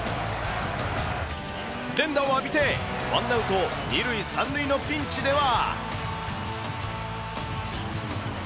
連打を浴びて、ワンアウト２塁３塁のピンチでは。